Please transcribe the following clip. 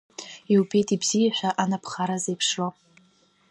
Иубеит ибзиашәа анаԥхара зеиԥшроу!